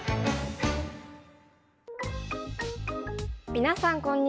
皆さんこんにちは。